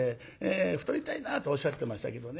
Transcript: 太りたいなっておっしゃってましたけどね。